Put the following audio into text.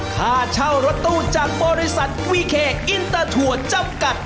ค่าเช่ารถตู้จากบริษัทวีเคอินเตอร์ทัวร์จำกัด